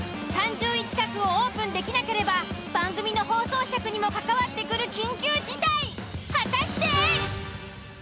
３０位近くをオープンできなければ番組の放送尺にも関わってくる緊急事態。果たして！？